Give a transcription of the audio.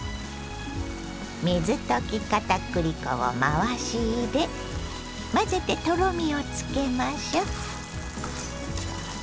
水溶き片栗粉を回し入れ混ぜてとろみをつけましょう。